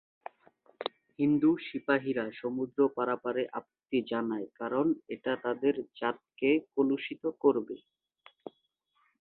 হিন্দু সিপাহিরা সমুদ্র পারাপারে আপত্তি জানায়, কারণ এটা তাদের জাতকে কলুষিত করবে।